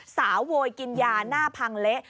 โวยกินยาหน้าพังเละ